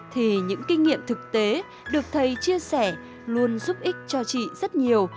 thì những kinh nghiệm thực tế được thầy chia sẻ luôn giúp ích cho chị rất nhiều